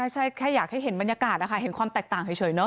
ใช่แค่อยากให้เห็นบรรยากาศนะคะเห็นความแตกต่างเฉยเนอ